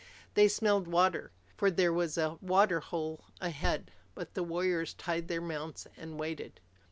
They smelled water, for there was a water hole ahead. But the warriors tied their mounts and waited.